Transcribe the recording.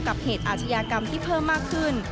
กับเหตุอาชญากรรมที่เพิ่มมากขึ้น